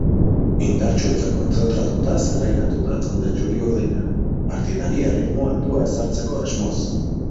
Indartsu eta kontzentratuta zelairatu da talde txuri-urdina, partidari erritmo altua ezartzeko asmoz.